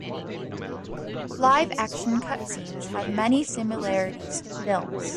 Live-action cutscenes have many similarities to films.